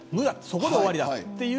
そこで終わりだと。